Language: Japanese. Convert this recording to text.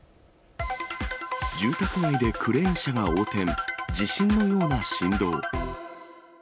住宅街でクレーン車が横転、地震のような振動。